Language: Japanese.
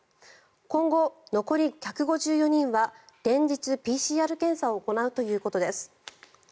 今後、残り１５４人は連日ＰＣＲ検査を行うということです。